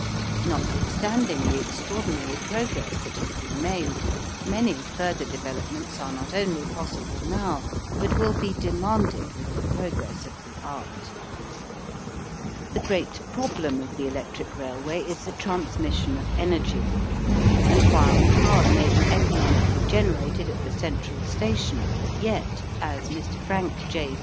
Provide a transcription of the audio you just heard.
Notwithstanding the extraordinary progress that has been made many further developments are not only possible now but will be demanded with the progress of the art. The great problem of the electric railway is the transmission of energy, and while power may be economically generated at the central station, yet, as Mr. Frank J.